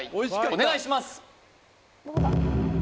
お願いします